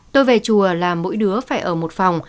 tôi về chùa là mỗi đứa phải ở một phòng